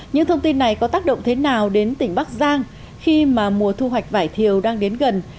những thông tin này có tác động thế nào đến tỉnh bắc giang khi mà mùa thu hoạch vải thiều đang đến gần